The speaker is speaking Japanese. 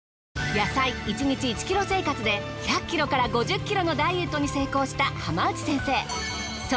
野菜１日１ｋｇ生活で１００ｋｇから５０ｋｇのダイエットに成功した浜内先生。